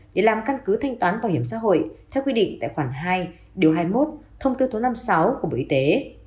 để làm căn cứ thanh toán bảo hiểm xã hội theo quy định tại khoản hai điều hai mươi một thông tư số năm mươi sáu của bộ y tế